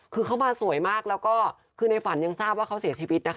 คือเขามาสวยมากแล้วก็คือในฝันยังทราบว่าเขาเสียชีวิตนะคะ